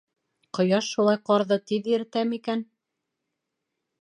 Ҡояш шулай ҡарҙы тиҙ иретәме икән?